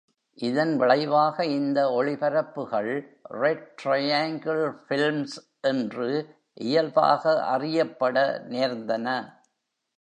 இதன் விளைவாக இந்த ஒளிபரப்புகள் "Red Triangle Films" என்று இயல்பாக அறியப்பட நேர்ந்தன